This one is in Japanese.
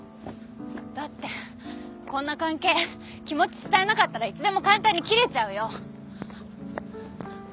だってこんな関係気持ち伝えなかったらいつでも簡単に切れちゃうよ。